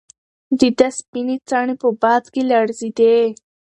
د ده سپینې څڼې په باد کې لړزېدې.